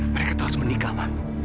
mereka tuh harus menikah ma